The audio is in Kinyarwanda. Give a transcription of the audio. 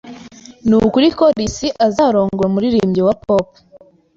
Nukuri ko Lucy azarongora umuririmbyi wa pop.